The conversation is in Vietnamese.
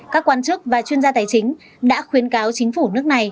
các quan chức và chuyên gia tài chính đã khuyến cáo chính phủ nước này